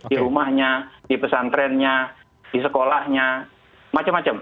di rumahnya di pesantrennya di sekolahnya macem macem